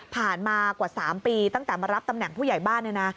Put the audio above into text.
ผ่านมากว่า๓ปีตั้งแต่มารับตำแหน่งผู้ใหญ่บ้าน